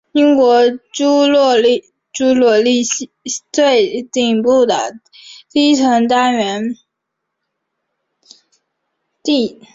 英国侏罗系最顶部的地层单元。